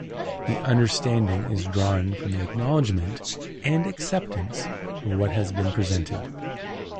The understanding is drawn from the acknowledgment and acceptance of what has been presented.